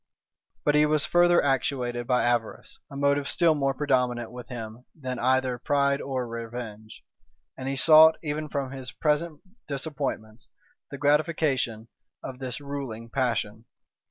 But he was further actuated by avarice, a motive still more predominant with him than either pride or revenge; and he sought, even from his present disappointments, the gratification of this ruling passion.